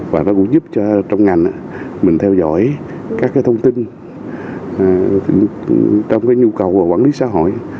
và nó cũng giúp cho trong ngành mình theo dõi các thông tin trong cái nhu cầu quản lý xã hội